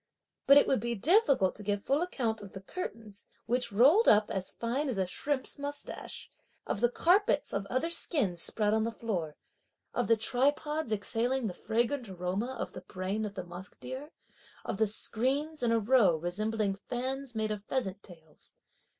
But it would be difficult to give a full account of the curtains, which rolled up (as fine as a) shrimp's moustache; of the carpets of other skins spread on the floor; of the tripods exhaling the fragrant aroma of the brain of the musk deer; of the screens in a row resembling fans made of pheasant tails.